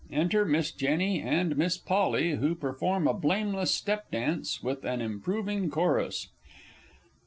Enter_ Miss JENNY and Miss POLLY, who perform a blameless step dance with an improving chorus.